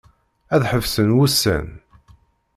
Ad ḥebsen wussan.